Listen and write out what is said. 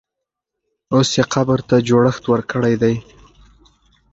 اوس یې قبر ته جوړښت ورکړی دی.